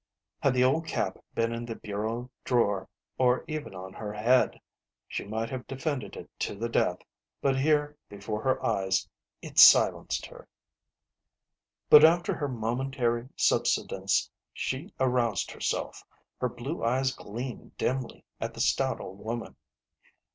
Had the old cap been in the bureau drawer, or even on her head, she might have defended it to the death, but here before her eyes it silenced her. But after her momentary subsidence she aroused herself ; her blue eyes gleamed dimly at the stout old woman.